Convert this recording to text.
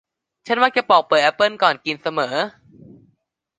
ฉันมักจะปอกเปลือกแอปเปิ้ลก่อนกินเสมอ